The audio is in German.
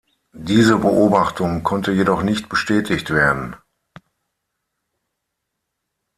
Diese Beobachtung konnte jedoch nicht bestätigt werden.